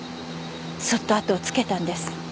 そっと後を付けたんです。